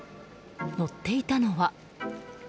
乗っていたのは。